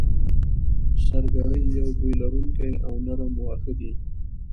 سرګړی یو بوی لرونکی او نرم واخه دی